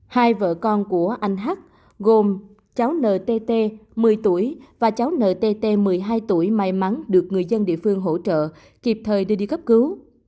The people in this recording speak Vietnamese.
hai vợ con của anh hát gồm cháu ntt một mươi tuổi và cháu ntt một mươi hai tuổi may mắn được người dân địa phương hỗ trợ kịp thời đưa đi cấp cứu